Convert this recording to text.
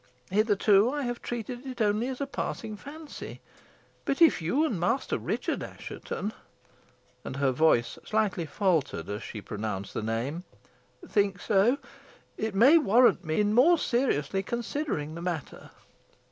Hitherto I have treated it only as a passing fancy, but if you and Master Richard Assheton" and her voice slightly faltered as she pronounced the name "think so, it may warrant me in more seriously considering the matter."